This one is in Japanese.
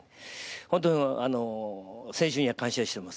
本当、選手には感謝してます。